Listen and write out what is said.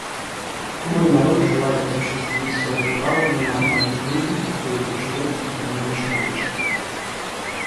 Мой народ желает осуществить свое право на нормальную жизнь, какой живет остальное человечество.